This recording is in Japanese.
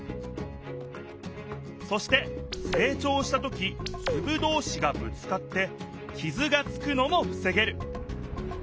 そしてせい長した時つぶどうしがぶつかってきずがつくのもふせげる。